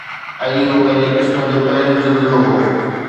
۽ اهو پنهنجي قسم جو پهريون زلزلو هو